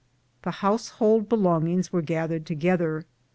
The house hold belongings were gathered together.